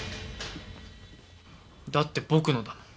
だって僕のだもん。